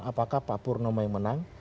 apakah pak purnomo yang menang